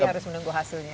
jadi harus menunggu hasilnya